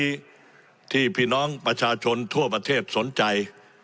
ชีพหลักแล้วขณะนี้ที่พี่น้องประชาชนทั่วประเทศสนใจ